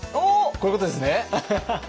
こういうことですね？